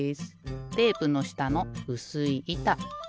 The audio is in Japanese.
テープのしたのうすいいた。